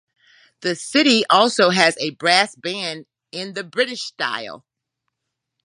The city also has a brass band in the British style.